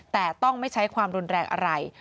แต่ต้องไม่ใช้ความรุนแรงอะไร